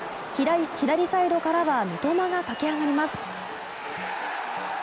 左サイドからは三笘が駆け上がります。